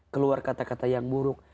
keluar kata kata yang buruk